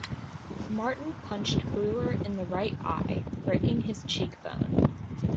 Martin punched Brewer in the right eye, breaking his cheekbone.